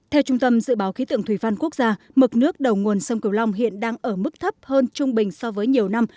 theo trung tâm dự báo khí tượng thủy văn quốc gia mực nước đầu nguồn sông cửu long hiện đang ở mức thấp hơn trung bình so với nhiều năm